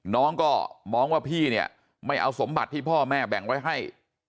น้องก็มองว่าพี่เนี่ยไม่เอาสมบัติที่พ่อแม่แบ่งไว้ให้